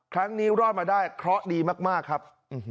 ครั้งนี้รอดมาได้เคราะห์ดีมากครับ